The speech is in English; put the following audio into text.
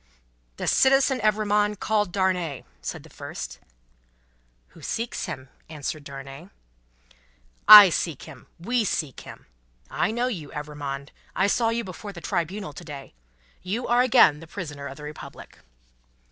"The Citizen Evrémonde, called Darnay," said the first. "Who seeks him?" answered Darnay. "I seek him. We seek him. I know you, Evrémonde; I saw you before the Tribunal to day. You are again the prisoner of the Republic."